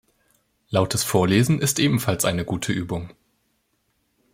Lautes Vorlesen ist ebenfalls eine gute Übung.